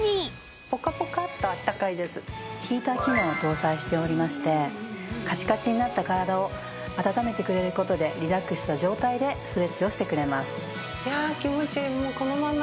ヒーター機能を搭載しておりましてカチカチになった体を温めてくれる事でリラックスした状態でストレッチをしてくれます。